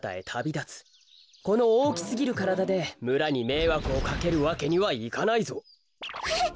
このおおきすぎるからだでむらにめいわくをかけるわけにはいかないぞ。えっ！？